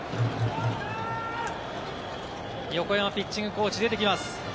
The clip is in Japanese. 横山ピッチングコーチ、出てきます。